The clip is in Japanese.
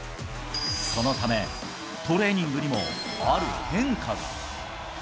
そのため、トレーニングにもある変化が。